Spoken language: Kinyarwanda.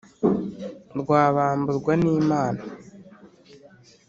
rwabamburwa n'imana